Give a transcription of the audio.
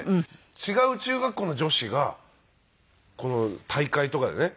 違う中学校の女子が大会とかでね